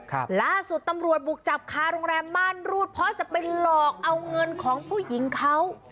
ครับล่าสุดตำรวจบุกจับคาโรงแรมม่านรูดเพราะจะไปหลอกเอาเงินของผู้หญิงเขา